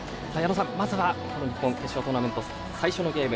まずは日本、決勝トーナメント最初のゲーム